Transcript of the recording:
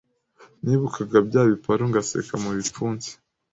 Nibukaga bya biparu ngasekera mu bipfunsi